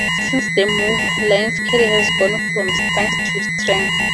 Since the move, Lyng's career has gone from strength to strength.